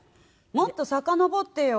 もっとさかのぼってよ。